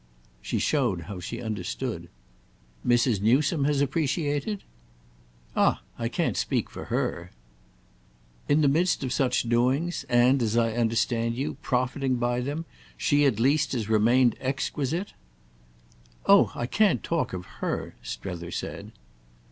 She showed how she understood. "Mrs. Newsome has appreciated?" "Ah I can't speak for her!" "In the midst of such doings—and, as I understand you, profiting by them, she at least has remained exquisite?" "Oh I can't talk of her!" Strether said.